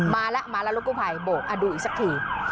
มาแล้วมาแล้วรถกลุ่มไผ่โบ๊คดูอีกสักที